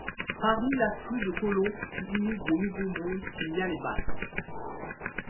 Parmi l’afflux de colons qui immigrent au Nouveau Monde, il y a les Basques.